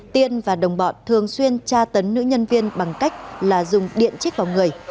tiên và đồng bọn thường xuyên tra tấn nữ nhân viên bằng cách là dùng điện chích vào người